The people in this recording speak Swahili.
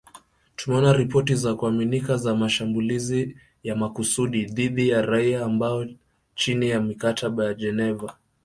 Tumeona ripoti za kuaminika za mashambulizi ya makusudi dhidi ya raia ambayo chini ya mikataba ya Geneva